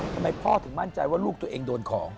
ทำไมพ่อถึงมั่นใจว่าลูกตัวเองโดนของ